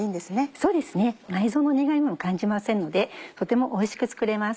そうですね内臓の苦味も感じませんのでとてもおいしく作れます。